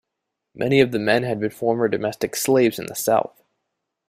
Many of the men had been former domestic slaves in the South.